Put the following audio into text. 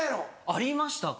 ありましたか？